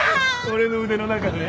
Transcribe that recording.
俺の腕の中で？